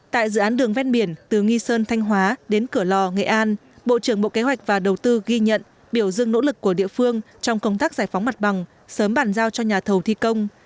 tại dự án đường ven biển từ nghi sơn thanh hóa đến cửa lò nghệ an bộ trưởng bộ kế hoạch và đầu tư ghi nhận biểu dương nỗ lực của địa phương trong công tác giải phóng mặt bằng sớm bàn giao cho nhà thầu thi công